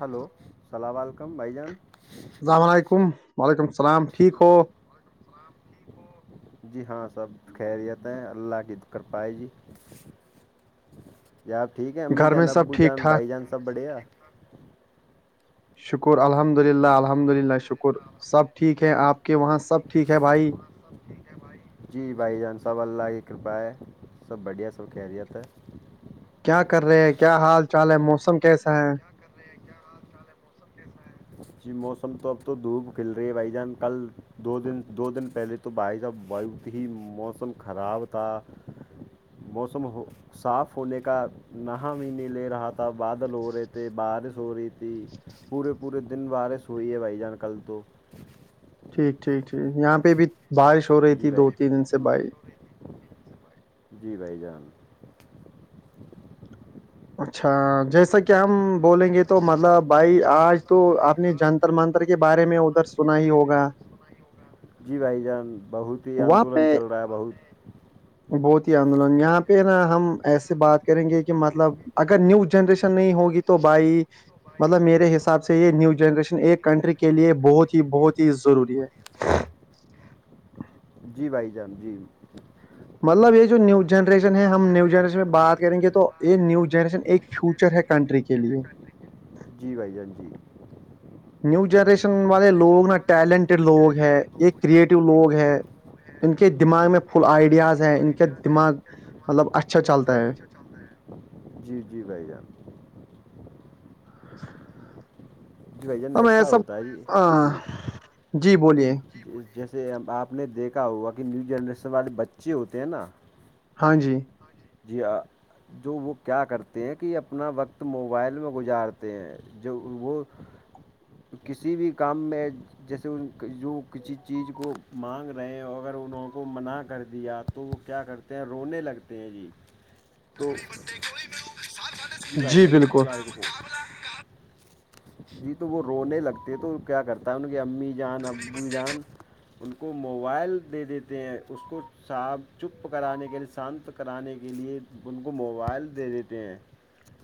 Hello, السلام علیکم بھائی جان- السلام علیکم وعلیکم السلام ٹھیک ہو- جی ہاں سب خیریتیں اللہ کی د کر پائے جی- ی آب ٹھیک ہے امی گھر میں جان سب ابو ٹھیک جان ٹھاک بھائی جان سب بڑے- شکر الحمد للہ الحمد للہ شکر سب ٹھیک ہے آپ کے وہاں سب ٹھیک ہے بھائی? جی بھائی جان سب اللہ کی کرپا ہے سب بڑھیا سب خیریت ہے- کیا کر رہے ہیں کیا حال چال ہے موسم کیسا ہے? اچی موسم تو اب تو دھوپ کھل رہی ہے بھائی جان کل دو دن- دو دن پہلے- تو بھائی جا بہت ہی موسم خراب تھا- جی- موسم ہو صاف ہونے کا نہا بھی نہیں لے رہا تھا بادل ہو رہے تھے بارش ہو رہی تھی- پورے پورے دن بارش ہوئی ہے بھائی جان کل تو ٹھیک ٹھیک ٹھیک یہاں پہ بھی بارش ہو رہی جی تھی بھائی دو تین دن سے بھائی جی بھائی جان اچھا جیسا کہ ہم بولیں گے تو مطلب بھائی آج تو آپ نے جن مانتر کے بارے میں ادھر سنا ہی ہوگا جی بھائی جان بہت ہی وہاں پہ آندولن چل رہا ہے بہت بہت ہی آندولن یہاں پہ نا ہم ایسے بات کریں گے کہ مطلب اگر نیو جنریشن نہیں ہوگی تو تو بھائی مطلب میرے حساب سے یہ نیو جنریشن ایک کنٹری کے لیے بہت ہی بہت ہی ضروری ہے- جی بھائی جان جی مطلب یہ جو نیو جنریشن ہے ہم نیو جنریشن میں بات کریں گے تو یہ نیو جنریشن ایک فیوچر ہے کنٹری کے لیے جی بھائی جان جی نیو جنریشن والے لوگ نا ٹیلنٹیڈ لوگ ہے یہ کریٹو لوگ ہے ان کے دماغ میں فل آئیڈیاز ہے ان کا دماغ مطلب اچھا چلتا ہے [unintelligible] جی جی بھائی جان [unintelligible] جی بھ جان تو میں ایسا ہوتا ج ہاں جی جی جیسے آپ نے دیکھا ہوا کہ نیو جنریشن والے بچے ہوتے ہیں نا ہاں جی جی ہاں جو وہ کیا کرتے ہیں کہ اپنا وقت موبائل میں گزارتے ہیں جو وہ کسی بھی کام میں جیسے ان جو کسی چیز کو مانگ رہے ہیں اگر انہوں کو منع کر دیا تو تو وہ کیا کرتے ہیں رونے لگتے ہیں جی تو جی ب فال جی تو وہ رونے لگتے تو کیا کرتا ہے ان کی امی جان ابو جان ان کو موبائل دے دیتے ہیں اس کو صاپ چپ کرانے کے لیے شانت کرانے کے لیے ان کو موبائل دے دیتے ہیں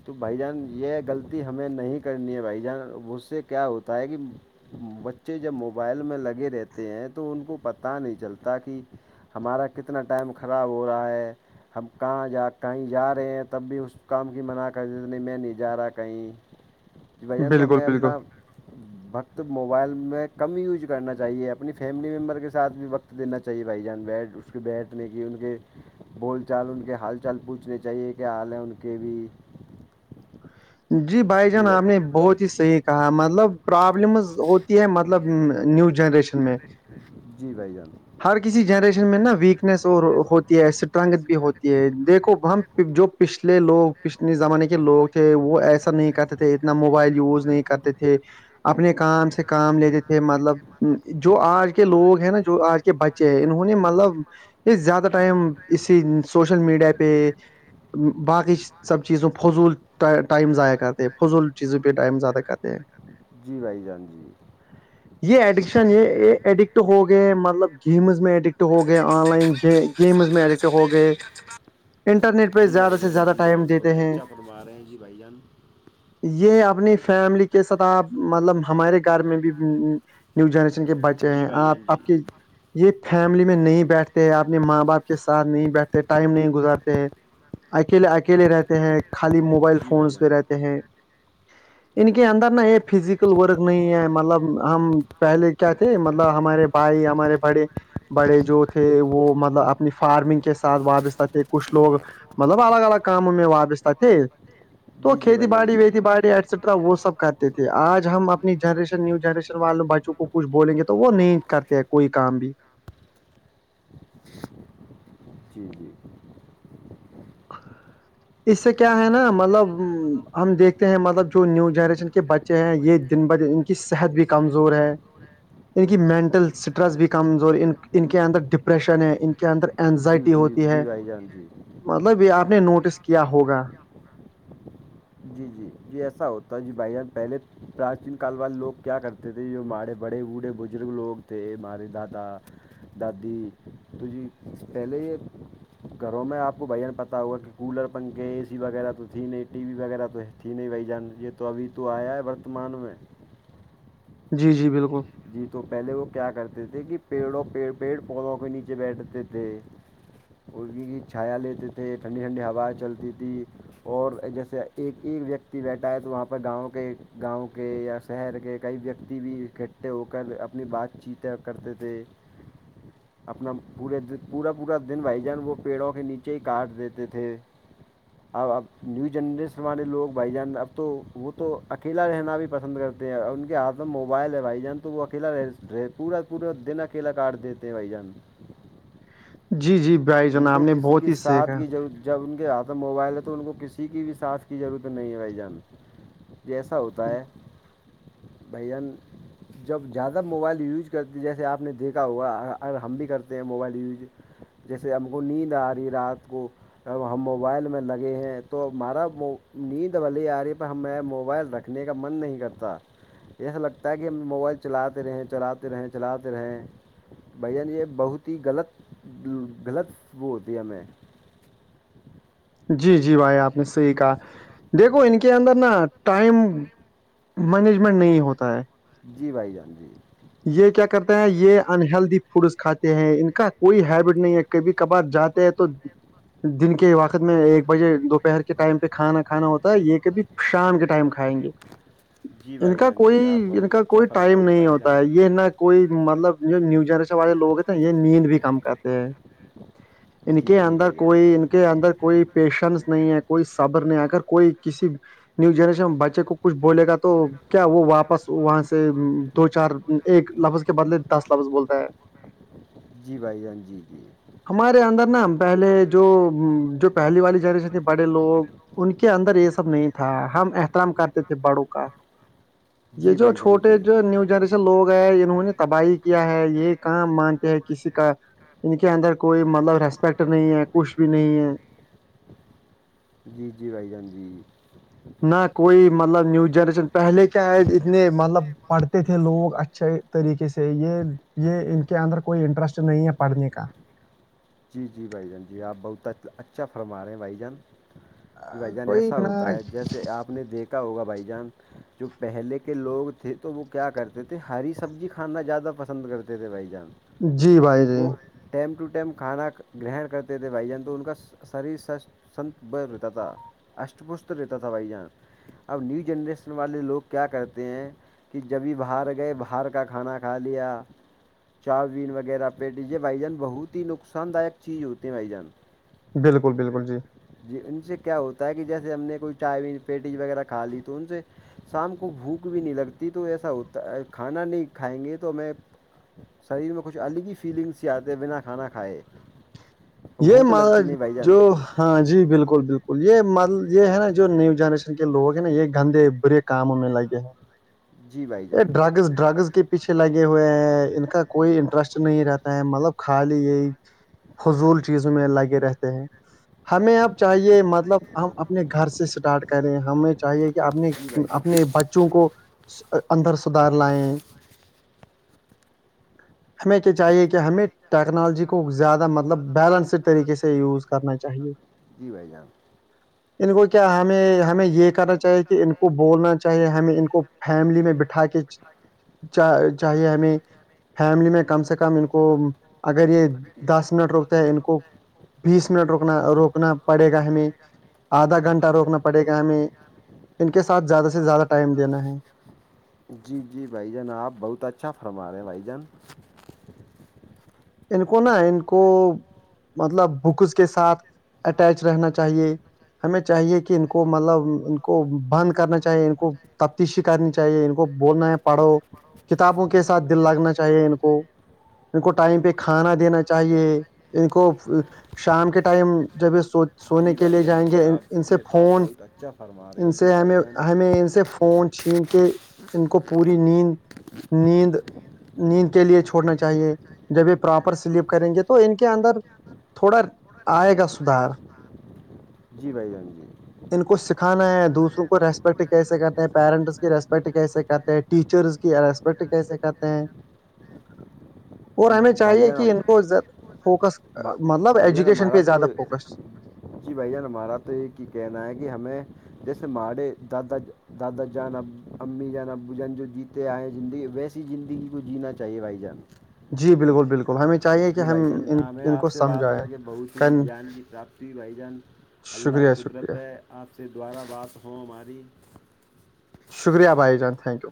تو بھائی جان یہ غلطی ہمیں نہیں کرنی ہے بھائی جان اس سے کیا ہوتا ہے کہ بچے جب موبائل میں لگے رہتے ہیں تو ان کو پتا نہیں چلتا کہ ہمارا کتنا ٹائم خراب ہو رہا ہے ہم کہاں جا کہیں جا رہے ہیں تب بھی اس کام کی منع کر دیتے نہیں میں نہیں جا رہا کہیں ج بھ جان تو بالکل میں بالکل اپنا [unintelligible] وقت موبائل میں کم یوز کرنا چاہیے اپنی فیملی ممبر کے ساتھ بھی وقت دینا چاہیے بھائی جان بیٹ اس کے بیٹھنے کی ان کے بول چال ان کے کے حال چال پوچھنے چاہیے کہ حال ہیں ان کے بھی جی بھائی جان آپ نے بہت ہی صحیح کہا مطلب پرابلمز ہوتی ہے مطلب نیو جنریشن میں جی بھائی جان ہر کسی جنریشن میں نا ویکنیس ہوتی ہے اسٹرنگھ بھی ہوتی دیکھو ہم جو پچھلے لوگ پچھلے زمانے کے لوگ تھے وہ ایسا نہیں کرتے تھے اتنا موبائل یوز نہیں کرتے تھے اپنے کام سے کام لیتے تھے مطلب جو آج کے لوگ ہیں نا جو آج کے بچے ہیں انہوں نے مطلب یہ زیادہ ٹائم اسی سوشل میڈیا پہ باقی سب چیزوں فضول ٹائم ضائع کرتے ہیں فضول چیزوں پہ ٹائم زیادہ کرتے ہیں جی بھائی جان جی یہ ایڈکشن یہ یہ ایڈکٹ ہو گئے مطلب گیمز میں ایڈکٹ ہو گئے آن لائن گیمز میں ایڈکٹ ہو گئے انٹرنیٹ پہ زیادہ سے زیادہ ٹائم دیتے ہیں کروا رہے ہیں جی بھائی جان یہ اپنی فیملی کے ساتھ آپ مطلب ہمارے گھر میں بھی نیو جنریشن کے بچے جی ہیں بھائی آپ جان جی آپ کے یہ فیملی میں نہیں بیٹھتے ہیں اپنے ماں باپ کے ساتھ نہیں بیٹھتے ٹائم نہیں گزارتے ہیں اکیلے اکیلے رہتے ہیں خالی موبائل جی بھائی فونس جان پہ رہتے ہیں ان کے اندر نا یہ فزیکل ورک نہیں ہے مطلب ہم پہلے کیا تھے مطلب ہمارے بھائی ہمارے بڑے بڑے جو تھے وہ مطلب اپنی فارمنگ کے ساتھ وابستہ تھے کچھ لوگ مطلب الگ الگ کاموں میں واپس تات تو جی جی کھیتی بھائی جان باڑی جی ویتی باڑی ایسیٹرا وہ سب کرتے تھے آج ہم اپنی جنریشن نیو جنریشن والوں بچوں کو کچھ بولیں گے تو وہ نہیں کرتے ہیں کوئی کام بھی جی جی اس سے کیا ہے نا مطلب ہم دیکھتے ہیں مطلب جو نیو جنریشن کے بچے ے ہیں یہ دن بہدن ان کی صحت بھی کمزور ہے ان کی مینٹل اسٹریس بھی کمزور ہے ان کے اندر ڈپریشن ہے ان کے اندر جی اینزائٹی جی ہوتی جی ہے بھائی جان جی مطلب یہ آپ نے نوٹس کیا ہوگا جی جی جی ایسا ہوتا جی بھائی جان پہلے پرچیین کال والے لوگ کیا کرتے ماے بڑے بڑھے بزرگ لگ تھے مارے داد داد ت جی پہلے یہ گھروں میں آپ کو بھان پتا ہوا کہ کولر پنکھ اے سی وغیرہ تو تھی نہیں ٹی وی وغیرہ تو تھی نہیں بھائی جان یہ تو ابھی تو آیا ہے ورتمان میں جی جی بالکل جی تو پہلے وہ کیا کرتے تھے کہ پیڑوں پیڑ پودوں کے نیچے بیٹھتے تھے مرکی کی چھایا لیتے تھے ٹھنڈی ٹھنڈی ہوائیں چلتی تھی اور جیسے ایک ایک ویکتی بیٹھا ہے تو وہاں پر گاؤں کے گاؤں کے یا شہر کے کئی ویکتی بھی اکٹھے ہو کر اپنی بات چیتیں کرتے تھے [inaudible] اپنا پورے پورا پورا دن بھائی جان وہ پیڑوں کے نیچے ہی کاٹ دیتے تھے اب اب نیو جنریشن والے لوگ بھائی جان اب تو وہ تو اکیلا رہنا بھی پسند کرتے اور ان کے ہاتھ میں موبائل ہے بھائی ب جان تو وہ اکیلا رہ پورا پورا دن اکیلا کاٹ دیتے بھائی جان جی جی بھائی جان ان آپ کو نے کسی بہت کی ہی صحیح ساتھ کہا کی ضرت جب ان کے ہاتھ میں موبائل ہے تو ان کو کسی کی بھی ساتھ کی ضرورت نہیں ہے بھائی جان جیسا ہوتا ہے بھان جب زیادہ موبائل یوج کرتی جیسے آپ نے دیکھا ہوگا اگر ہم بھی کرتے ہیں موبائل یوج جیسے ہم کو نیند آ رہی ہے رات کو اب ہم موبائل میں لگے ہیں تو ہمارا نیند واللی آ رہی پ ہم نے موبائل رکھ کا من نہیں کرتا ایسا لگتا کہ کہ ہم موبائل چلاتے رہے چلاتے رہے چلاتے رہے بھ جان یہ بہت ہی غلط غلط وہ دیم ہے [inaudible] جی جی بھائی آپ نے صحیح کہا دیکھو ان کے اندر نا ٹائم مینجمنٹ نہیں ہوتا ہے جی بھائی جان جی یہ کیا کرتے ہیں یہ انہلدی فوڈس کھاتے ہیں ان کا کوئی ہیبٹ نہیں ہے کبھی کبھار جاتے ہیں تو دن کے وقت میں ایک بجے دوپہر کے ٹائم پہ کھانا کھانا ہوتا ہے یہ کبھی شام کے ٹائم کھائیں گے جی ان بھائی کا جان کوئی جی آپ ان بہت کا اچھا کوئی فرما ٹائم رہے ہیں نہیں بھائی جان ہوتا ہے یہ ن کوئی مطلب نی ج والے لوگ ہیں تو یہ نیند بھی کام کرتے ہیں ان جی کے جی اندر بھائی جان کوئی ان کے اندر کوئی پیشنس نہیں ہے کوئی صبر نہیں اگر کوئی کسی نیو جنریشن بچے کو کچھ بولے گا تو کیا وہ واپس وہاں سے دو چار ایک لفظ کے بدلے دس لفظ بولتا ہے جی بھائی جان جی جی ہمارے اندر نا پہلے جو جو پہلی والی جنریشن تھی بڑے لوگ ان کے اندر یہ سب نہیں تھا ہم احترام کرتے تھے بڑوں کا یہ جی جو بھائی جان چھوٹے جی جو نیو جنریشن لوگ ہیں انہوں نے تباہی کیا ہے یہ کام مانتے ہیں کسی کا ان کے اندر کوئی مطلب ریسپیکٹ نہیں ہے کچ بھی نہیں ہے جی جی بھائی جان جی نہ کوئی مطلب نیو جنریشن پہلے کیا ہے اتنے مطلب پڑھتے تھے لوگ اچھے طریقے سے یہ یہ ان کے اندر کوئی انٹرسٹ نہیں ہے پڑھنے کا جی جی بھائی جان جی آپ بہت اچھا فرما رہے ہیں بھائی جان کہ بھائی جان کوئی ایسا نہ ہوتا ہے جیسے آپ نے دیکھ ہوگا بھائی جان جو پہلے کے لوگ تھ تھے تو وہ کیا کرتے تھے ہری سبزی کھانا زیادہ پسند کرتے تھے بھائی جان جی بھائی جی وہ ٹائم ٹو ٹائم کھانا گرہن کرتے تھے بھائی جان تو ان کا شریر س سنت بر رہتا تھا اشٹ پشٹ رہتا تھا بھائی جان اب نیو جنریشن والے لوگ کیا کرتے ہیں کہ جبھی باہر گئے باہر کا کھانا کھا لیا چار بین وغیرہ پہ ڈجیے بھائیجان بہت ہی نقصان داک چیز ہوتی ہیں بائیجان بالکل بالکل جی جی ان سے کیا ہوتا ہے کہ جیسے ہم نے کوئی چائے پیٹی وغیرہ کھا لی تو ان سے شام کو بھوک بھی نہیں لگتی تو ایسا ہوتا کھانا نہیں کھائیں گے تو میں شریر میں کچھ الگ ہی فیلنگ سے آتے بنا کھانا کھائے یہ بھوک لگتی م نہیں بھائی جو جان ہاں جی بالکل بالکل یہ م یہ ہے نا جو نیو جنریشن کی لوگ ہیں نا یہ گندے برے کاموں میں لگے ہیں جی بھائی یہ جان جی ڈرگز ڈرگز کی پیچھے لگے ہوئے ہیں ان کا کوئی انٹرسٹ نہیں رہتا ہے مطلب خالی یہی فض چیزوں میں لاگے رہتے ہیں ہمیں اب چاہیے مطلب ہم اپنے گھر سے اسٹارٹ کریں ہمیں چاہیے کہ اپنے جی بھائی جان اپنے ب بچوں کو اندر سدھار لائےیں ہمیں کیا چاہیے کہ ہمیں ٹیکنالوجی کو زیادہ مطلب بیلنس طریقے سے یوز کرنا چاہیے جی بھائی جان ان کو کیا ہمیں ہمیں یہ کرنا چاہیے کہ ان کو بولنا چاہیے ہمیں ان کو فیملی میں بٹھا کے چاہیے ہمیں فیملی میں کم سے کم ان کو اگر یہ دس منٹ روکتا ہے ان کو بیس منٹ روکنا روکنا پڑے گا ہمیں آدھا گھنٹہ روکنا پڑے گا ہمیں ان کے ساتھ زیادہ سے زیادہ ٹائم دینا ہے جی جی بھائی جان آپ بہت اچھا فرما رہے ہیں بھائی جان ان کو نا ان کو مطلب بکس کے ساتھ اٹیچ رہنا چ چاہیے ہمیں چاہیے کہ ان کو مطلب ان کو بند کرنا چاہیے ان کو تفتیشی کرنی چاہیے ان کو بولنا ہے پڑھو کتابوں کے ساتھ دل لگنا چاہیے ان کو ان کو ٹائم پہ کھانا دینا چاہیے ان کو شام کے ٹائم جب یہ سو سونے جی کے بھائی لیے جان جائیں جی گے ان آپ سے نے آپ فون بہت اچھا فرما رہے ان ہیں جی سے بھائی ہمیں جان ہمیں ان سے فون چھین کے ان کو پوری نیند نیند نیند کے لیے چھوڑنا چاہیے جب یہ پراپر سلیپ کریں گے تو ان کے اندر تھوڑا آئے گا سدھار جی بھائی جان جی ان کو سکھانا ہے دوسروں کو ریسپیکٹ کیسے کرتے ہیں پیرنٹس کی ریسپیکٹ کیسے کرتے ہیں ٹیچرس ریسپیکٹ کیسے کہتے ہیں اور جی ہمیں جو بھائی چاہیے کہ جان ان کویا فوکس مطلب بھائی جان ایجوکیشن ہمارا پہ تو زیادہ فوکس جی بھائی جان ہمارا تو یہ ہی کہنا ہے کہ ہمیں جیسے ماڑے دادا دادا جانا امی جانا ب جان جو جیت آئیں زندگی ویسی زندگی کو جینا چاہیے بھائی جان جی بالکل بالکل ہمیں چاہیے کہ جی ہم بھائی جان ان ہمیں ان آپ کو سے بات سمجھائیں کر کے بہت س ہی کن جان کی پراپتی ی بھائی جان اللہ شکریہ شکریہ قدرت ہے آپ سے دوبارہ بات ہ ہماری شکریہ بھائی جان تنک یو